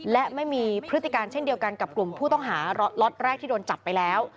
และไม่มีพฤติการเช่นเดียวกันกับกลุ่มผู้ต้องหาล็อตแรกที่โดนจับไปแล้ว